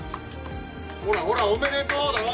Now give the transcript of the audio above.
ほらほらおめでとうだろ。